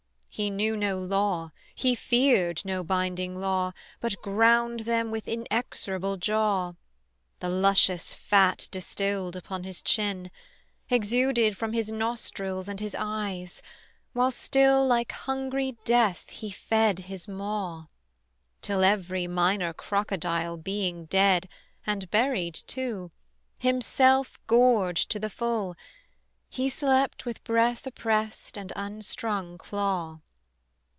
He knew no law, he feared no binding law, But ground them with inexorable jaw: The luscious fat distilled upon his chin, Exuded from his nostrils and his eyes, While still like hungry death he fed his maw; Till every minor crocodile being dead And buried too, himself gorged to the full, He slept with breath oppressed and unstrung claw.